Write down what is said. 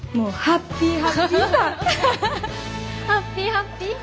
ハッピーハッピー？